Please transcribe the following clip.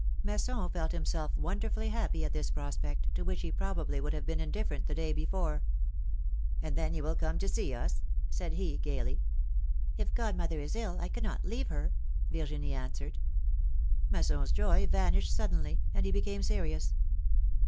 Masson felt himself wonderfully happy at this prospect, to which he probably would have been indifferent the day before. ^^And then you will come to see us?" said he, gayly. ^^If godmother is ill, I cannot leave her!" Virginie answered. Masson's joy vanished suddenly, and he became serious.